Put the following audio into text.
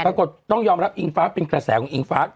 ต้องยอมรับอิงฟ้าเป็นกระแสของอิงฟ้า